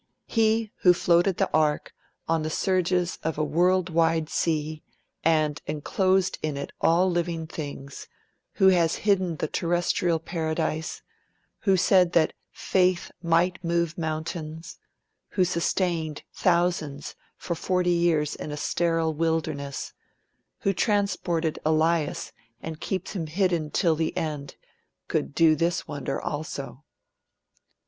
He who floated the Ark on the surges of a world wide sea, and enclosed in it all living things, who has hidden the terrestrial paradise, who said that faith might move mountains, who sustained thousands for forty years in a sterile wilderness, who transported Elias and keeps him hidden till the end, could do this wonder also.'